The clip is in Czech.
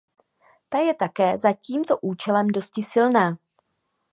Ta je také za tímto účelem dosti silná.